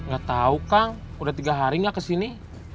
gak tau kang udah tiga hari gak kesini